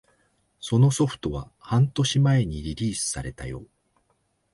そのソフトは半年前にリリースされたよ